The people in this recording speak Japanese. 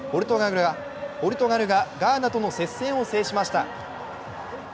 ポルトガルがガーナとの接戦を制しました。